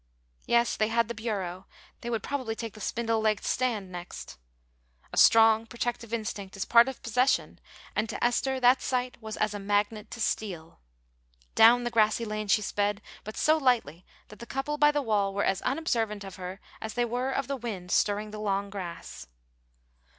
Yes, they had the bureau; they would probably take the spindle legged stand next. A strong protective instinct is part of possession, and to Esther that sight was as a magnet to steel. Down the grassy lane she sped, but so lightly that the couple by the wall were as unobservant of her as they were of the wind stirring the long grass.